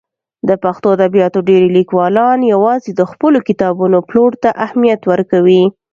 د پښتو ادبیاتو ډېری لیکوالان یوازې د خپلو کتابونو پلور ته اهمیت ورکوي.